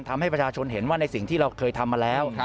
ทำให้ประชาชนเห็นว่าในสิ่งที่เราเคยทำมาแล้ว